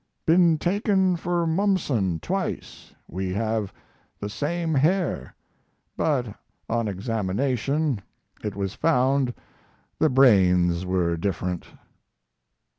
Been taken for Mommsen twice. We have the same hair, but on examination it was found the brains were different.